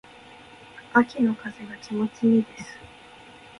秋の風が気持ち良いです。